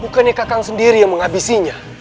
bukannya kakang sendiri yang menghabisinya